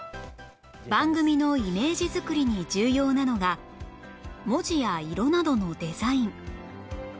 番組のイメージ作りに重要なのが文字や色などのデザイン